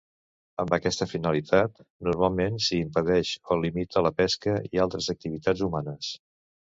Amb aquesta finalitat, normalment s'hi impedeix o limita la pesca i altres activitats humanes.